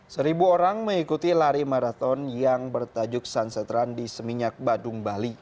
seribu orang mengikuti lari maraton yang bertajuk sunset run di seminyak badung bali